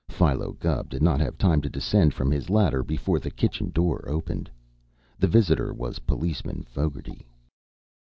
Philo Gubb did not have time to descend from his ladder before the kitchen door opened. The visitor was Policeman Fogarty.